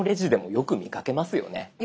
よく見かけます。